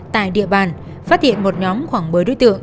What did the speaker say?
tại địa bàn phát hiện một nhóm khoảng một mươi đối tượng